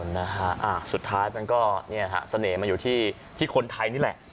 นะฮะสุดท้ายมันก็เนี่ยฮะเสน่ห์มาอยู่ที่คนไทยนี่แหละ